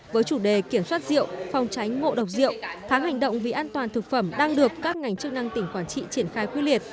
với chủ đề kiểm soát rượu phòng tránh ngộ độc rượu tháng hành động vì an toàn thực phẩm đang được các ngành chức năng tỉnh quảng trị triển khai quyết liệt